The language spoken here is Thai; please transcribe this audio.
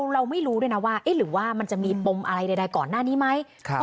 เราไม่รู้ด้วยนะว่าหรือว่ามันจะมีปมอะไรใดก่อนหน้านี้ไหม